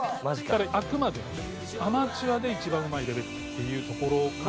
ただあくまでアマチュアで一番うまいレベルっていうところかなと。